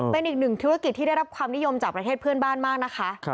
เป็นอีกหนึ่งธุรกิจที่ได้รับความนิยมจากประเทศเพื่อนบ้านมากนะคะ